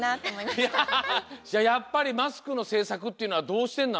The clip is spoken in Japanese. じゃあやっぱりマスクのせいさくっていうのはどうしてんの？